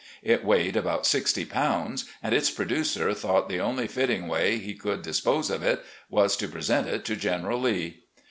It weighed about sixty pounds, and its producer thought the only fitting way he could dispose of it was to present it to General Lee.